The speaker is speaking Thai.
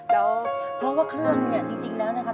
แล้วเพราะว่าเครื่องเนี่ยจริงแล้วนะครับ